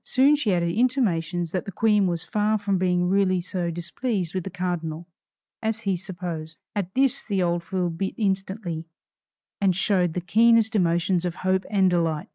Soon she added intimations that the Queen was far from being really so displeased with the cardinal, as he supposed. At this the old fool bit instantly, and showed the keenest emotions of hope and delight.